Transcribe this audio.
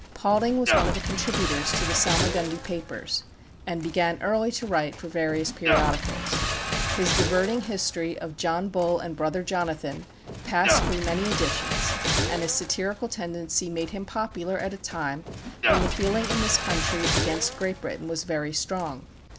Paulding was one of the contributors to the Salmagundi papers, and began early to write for various periodicals. His diverting history of "John Bull and Brother Jonathan" passed through many editions, and his satirical tendency made him popular at a time when the feeling in this country against Great Britain was very strong.